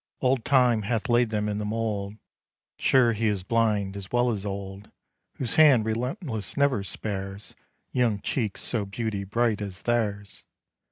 Old Time hath laid them in the mould; Sure he is blind as well as old, Whose hand relentless never spares Young cheeks so beauty bright as theirs!